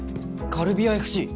カルビアＦＣ？